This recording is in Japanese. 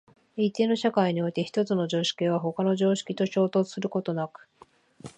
一定の社会において一つの常識は他の常識と衝突することなく、